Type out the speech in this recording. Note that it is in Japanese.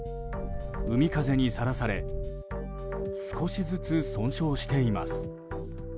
海風にさらされ少しずつ損傷しています。